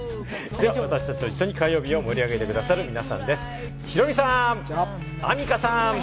では私達と一緒に火曜日を盛り上げて下さる皆さんです。